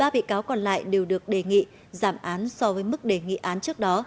một mươi bị cáo còn lại đều được đề nghị giảm án so với mức đề nghị án trước đó